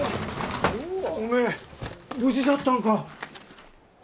おめえ無事じゃったんか。